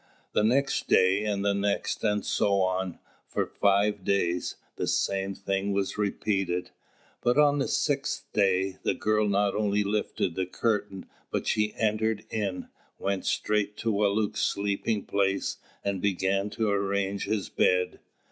The next day and the next and so on, for five days, the same thing was repeated; but on the sixth day, the girl not only lifted the curtain, but she entered in, went straight to Wālūt's sleeping place and began to arrange his bed.